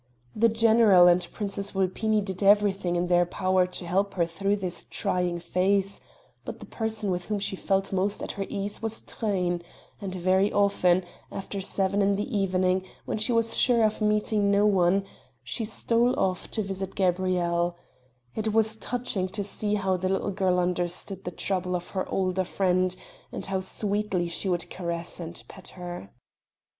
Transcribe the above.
The general and Princess Vulpini did everything in their power to help her through this trying phase, but the person with whom she felt most at her ease was Truyn; and very often, after seven in the evening, when she was sure of meeting no one, she stole off to visit Gabrielle; it was touching to see how the little girl understood the trouble of her older friend, and how sweetly she would caress and pet her.